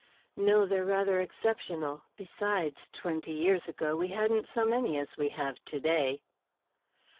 "No; they're rather exceptional; besides, twenty years ago, we hadn't so many as we have to day."